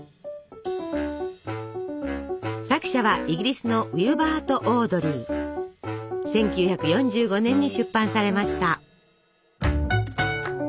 作者はイギリスの１９４５年に出版されました。